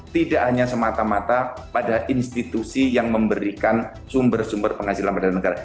tidak hanya semata mata pada institusi yang memberikan sumber sumber penghasilan pada negara